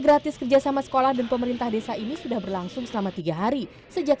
gratis kerjasama sekolah dan pemerintah desa ini sudah berlangsung selama tiga hari sejak